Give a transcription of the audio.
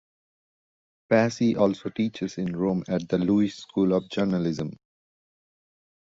Paci also teaches in Rome at the Luiss School of Journalism.